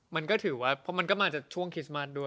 มันก็ถือว่ามันก็มาจากช่วงคิสมาสด้วย